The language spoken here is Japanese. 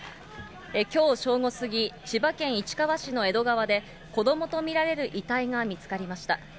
きょう正午過ぎ、千葉県市川市の江戸川で、子どもと見られる遺体が見つかりました。